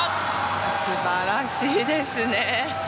素晴らしいですね。